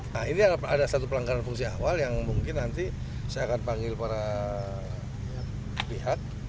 nah ini ada satu pelanggaran fungsi awal yang mungkin nanti saya akan panggil para pihak